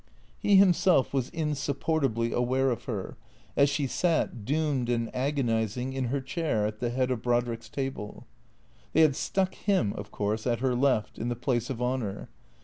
He himself was insupportably aware of her, as she sat, doomed and agonizing, in her chair at the head of Brodrick's table. They had stuck him, of course, at her left, in the place of honour.